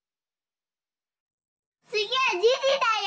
つぎはじじだよ。